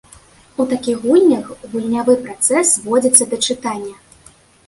У такіх гульнях гульнявы працэс зводзіцца да чытання.